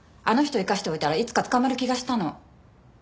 あの人生かしておいたらいつか捕まる気がしたの。